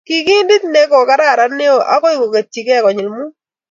ki kiindit ne kokararan neo akoi koketyigei konyil Mut